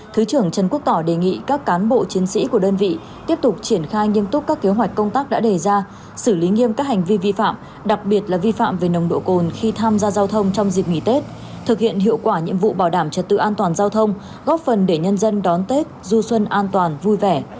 thứ trưởng trần quốc tỏ đề nghị các cán bộ chiến sĩ của đơn vị tiếp tục triển khai nghiêm túc các kế hoạch công tác đã đề ra xử lý nghiêm các hành vi vi phạm đặc biệt là vi phạm về nồng độ cồn khi tham gia giao thông trong dịp nghỉ tết thực hiện hiệu quả nhiệm vụ bảo đảm trật tự an toàn giao thông góp phần để nhân dân đón tết du xuân an toàn vui vẻ